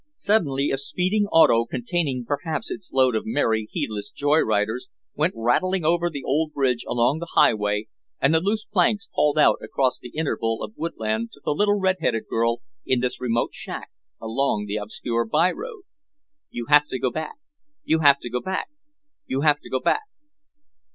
Suddenly a speeding auto, containing perhaps its load of merry, heedless joy riders, went rattling over the old bridge along the highway and the loose planks called out across the interval of woodland to the little red headed girl in this remote shack along the obscure by road. "You have to go back, You have to go back, You have to go back."